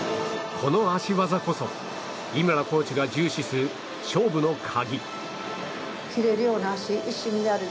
この脚技こそ井村コーチが重視する勝負の鍵。